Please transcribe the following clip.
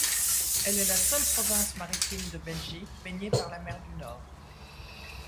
Elle est la seule province maritime de Belgique, baignée par la mer du Nord.